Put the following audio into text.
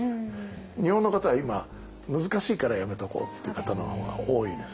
日本の方は今難しいからやめておこうっていう方のほうが多いです。